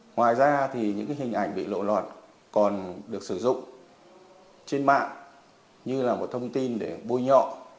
ngoài ra thì những hình ảnh bị lộ lọt còn được sử dụng trên mạng như là một thông tin để bôi nhọ